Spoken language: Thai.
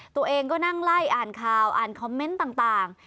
ตัวเองก็นั่งไล่อ่านข่าวอ่านคอมเมนต์ต่าง